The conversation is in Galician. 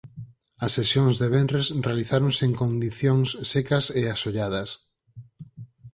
As sesións de venres realizáronse en condicións secas e asolladas.